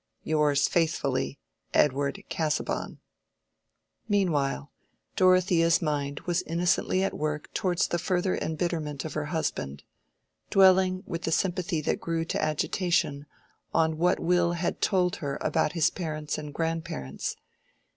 Yours faithfully, "EDWARD CASAUBON." Meanwhile Dorothea's mind was innocently at work towards the further embitterment of her husband; dwelling, with a sympathy that grew to agitation, on what Will had told her about his parents and grandparents.